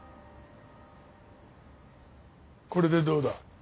これでどうだ？